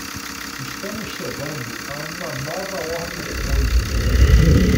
Estamos chegando a uma nova ordem de coisas.